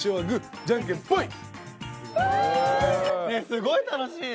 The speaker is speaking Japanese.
すごい楽しい。